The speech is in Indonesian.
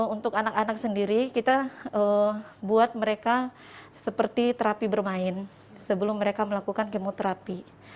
untuk anak anak sendiri kita buat mereka seperti terapi bermain sebelum mereka melakukan kemoterapi